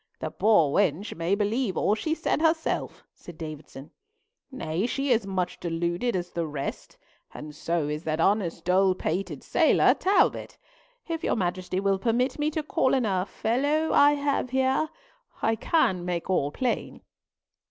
"The poor wench may believe all she said herself," said Davison. "Nay, she is as much deluded as the rest, and so is that honest, dull pated sailor, Talbot. If your Majesty will permit me to call in a fellow I have here, I can make all plain."